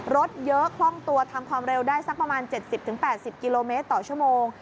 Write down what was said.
รถเยอะคล่องตัวทำความเร็วได้สักประมาณ๗๐๘๐กิโลเมตรต่อชั่วโมง